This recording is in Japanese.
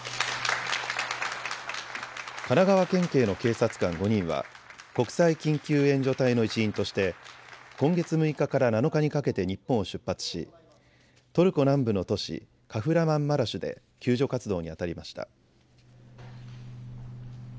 神奈川県警の警察官５人は国際緊急援助隊の一員として今月６日から７日にかけて日本を出発し、トルコ南部の都市カフラマンマラシュで救助活動にあたりました。